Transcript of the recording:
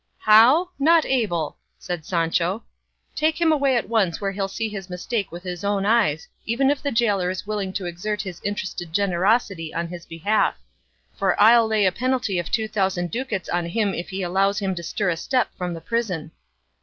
"How? not able!" said Sancho; "take him away at once where he'll see his mistake with his own eyes, even if the gaoler is willing to exert his interested generosity on his behalf; for I'll lay a penalty of two thousand ducats on him if he allows him to stir a step from the prison."